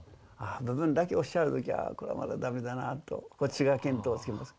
ああ部分だけおっしゃる時はこれはまだダメだなとこっちが見当をつけます。